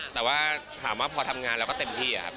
แต่ว่าถามว่าพอทำงานแล้วก็เต็มที่ครับ